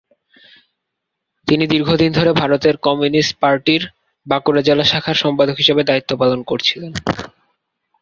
তিনি দীর্ঘদিন ধরে ভারতের কমিউনিস্ট পার্টির বাঁকুড়া জেলা শাখার সম্পাদক হিসেবে দায়িত্ব পালন করেছিলেন।